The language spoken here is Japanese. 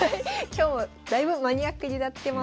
今日もだいぶマニアックになってます。